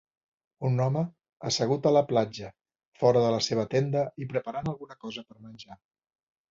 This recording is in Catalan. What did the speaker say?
Un home assegut a la platja fora de la seva tenda i preparant alguna cosa per menjar.